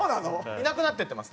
いなくなっていってます。